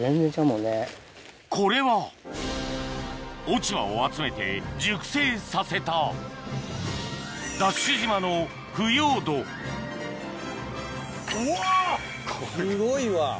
これは落ち葉を集めて熟成させたＤＡＳＨ島のうわ！